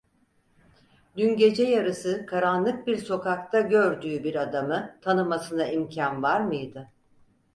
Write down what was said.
Dün gece yarısı karanlık bir sokakta gördüğü bir adamı tanımasına imkân var mıydı?